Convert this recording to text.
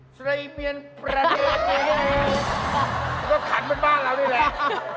ก็ขันเบื้นมาเรานี่แหละ